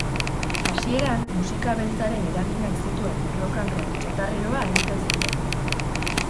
Hasieran musika beltzaren eraginak zituen rock and roll txatarreroa egiten zuten.